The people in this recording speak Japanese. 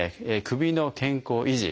首の健康維持